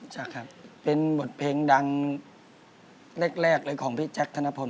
ใช่ครับเป็นบทเพลงดังแรกเลยของพี่แจ๊คธนพล